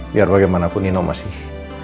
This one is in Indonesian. biar bagaimanapun nino masih